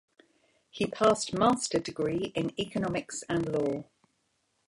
He passed Master degree in Economics and Law.